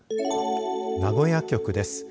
名古屋局です。